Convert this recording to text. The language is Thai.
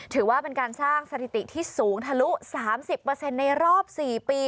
ถือว่าเป็นการสร้างสถิติที่สูงทะลุ๓๐ในรอบ๔ปี